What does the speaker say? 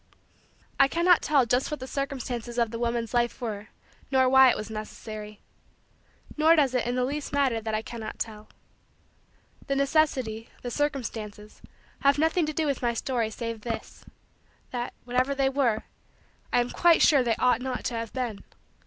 I cannot tell just what the circumstances of the woman's life were nor why it was necessary. Nor does it in the least matter that I cannot tell. The necessity, the circumstances, have nothing to do with my story save this: that, whatever they were, I am quite sure they ought not to have been.